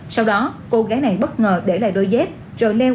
sau đó cô gái này bất ngờ để lại đôi dép rồi leo về đường